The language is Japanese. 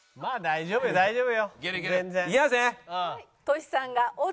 大丈夫大丈夫。